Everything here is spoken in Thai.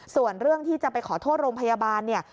ส่วนเรื่องที่จะไปขอโทษโรงพยาบาลเนี่ย